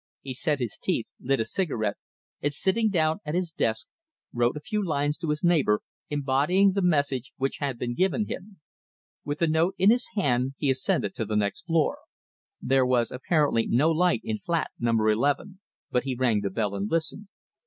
He set his teeth, lit a cigarette, and sitting down at his desk wrote a few lines to his neighbour, embodying the message which had been given him. With the note in his hand he ascended to the next floor. There was apparently no light in flat number 11, but he rang the bell and listened.